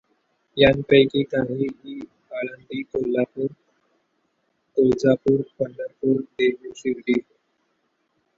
त्यांपैकी काही ही आळंदी, कोल्हापुर, तुळजापूर, पंढरपूर, देहू, शिर्डी.